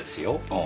ああ。